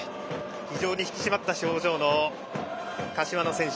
非常に引き締まった表情の柏の選手。